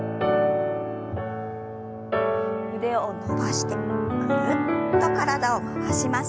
腕を伸ばしてぐるっと体を回します。